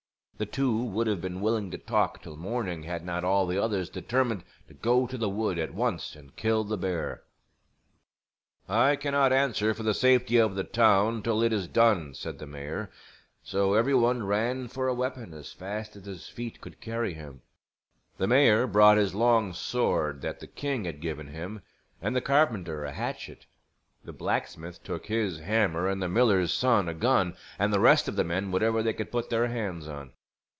The two would have been willing to talk till morning had not all the others determined to go to the wood at once and kill the bear. [Illustration: "A BEAR!" CRIED THE TAILOR.] "I cannot answer for the safety of the town till it is done," said the mayor; so every one ran for a weapon as fast as his feet could carry him. The mayor brought his long sword that the king had given him, and the carpenter a hatchet, the blacksmith took his hammer, and the miller's son a gun; and the rest of the men whatever they could put their hands on.